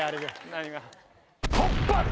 何が？